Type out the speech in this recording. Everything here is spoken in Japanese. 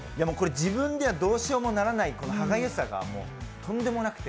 自分ではどうしようもならない歯がゆさがとんでもなくて。